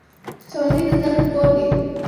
ښوونځی د زده کړې کور دی